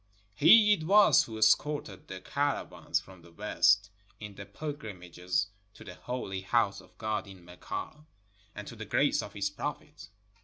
He it was who escorted the caravans from the West, in the pilgrimages to the Holy House of God in Mecca and to the grace of his prophet.